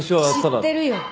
知ってるよ。